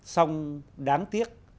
song đáng tiếc